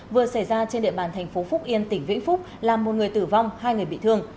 vừa xảy ra trên địa bàn thành phố phúc yên tỉnh vĩnh phúc làm một người tử vong hai người bị thương